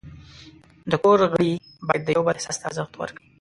د کور غړي باید د یو بل احساس ته ارزښت ورکړي.